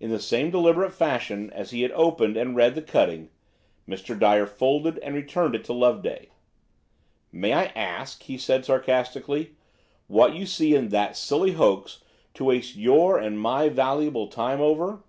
In the same deliberate fashion as he had opened and read the cutting, Mr. Dyer folded and returned it to Loveday. "May I ask," he said sarcastically, "what you see in that silly hoax to waste your and my valuable time over?"